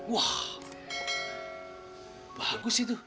wah bagus itu